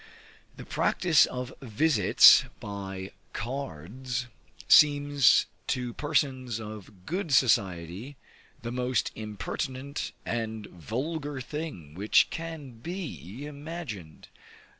The practice of visits by cards, seems to persons of good society the most impertinent and vulgar thing which can be imagined.